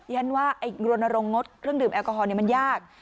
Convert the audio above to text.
อย่างนั้นว่าโรนโรงงดเครื่องดื่มแอลกอฮอล์นี่มันยาก